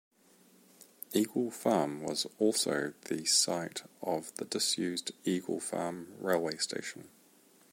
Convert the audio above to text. Eagle Farm was also the site of the disused Eagle Farm railway station.